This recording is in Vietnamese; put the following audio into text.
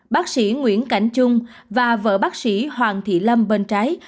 bác sĩ nguyễn cảnh trung và vợ bác sĩ hoàng thị lâm bên trái